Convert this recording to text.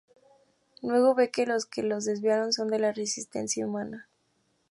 Luego ve que los que lo desviaron, son de la resistencia humana.